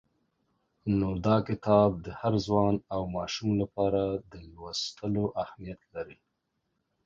نو دا کتاب د هر ځوان او ماشوم لپاره د لوستلو اهمیت لري.